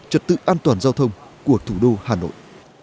trật tự an toàn giao thông của thủ đô hà nội